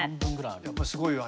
やっぱりすごいわ。